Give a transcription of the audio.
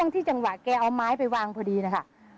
ที่จังหวะแกเอาไม้ไปวางพอดีนะคะ